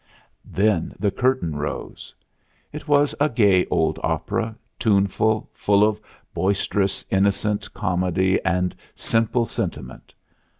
Then the curtain rose. It was a gay old opera, tuneful, full of boisterous, innocent comedy and simple sentiment.